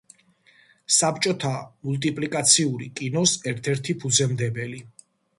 საბჭოთა მულტიპლიკაციური კინოს ერთ-ერთი ფუძემდებელი.